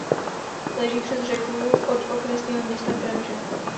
Leží přes řeku od okresního města Kremže.